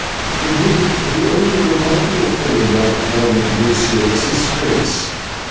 Indeed, the only really remarkable thing about Don Ignatio was his face.